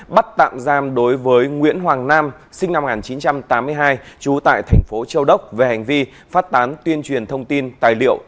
bắt tạm giam đối với nguyễn hoàng nam sinh năm một nghìn chín trăm tám mươi hai trú tại thành phố châu đốc về hành vi phát tán tuyên truyền thông tin tài liệu